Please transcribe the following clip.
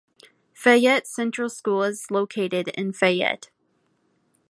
Fayette Central School is located in Fayette.